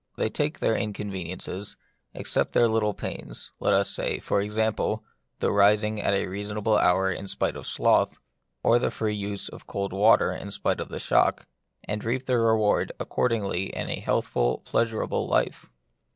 They take their inconveniences, accept their little pains — let us say, for example, the rising at a reasonable hour in spite of sloth, or the free use of cold water in spite of the shock — and reap their reward accordingly in a healthful, pleasurable life.